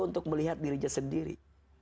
untuk melihat dirinya sendiri